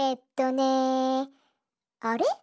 あれ？